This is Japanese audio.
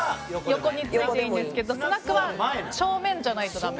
横についていいんですけどスナックは正面じゃないとダメ。